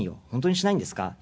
本当にしないんですか？